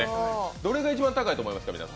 どれが一番高いと思いますか？